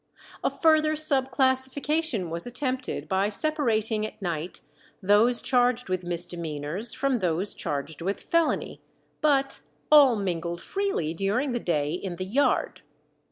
A further sub classification was attempted by separating at night those charged with misdemeanours from those charged with felony, but all mingled freely during the day in the yard.